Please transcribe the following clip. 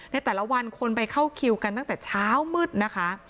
ในแต่ละวันคนไปเข้าคิวกันตั้งแต่เช้ามืดนะคะ